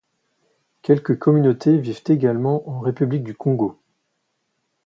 Quelques communautés vivent également en République du Congo.